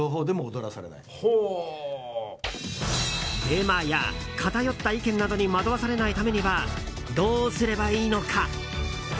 デマや偏った意見などに惑わされないためにはどうすればいいのか。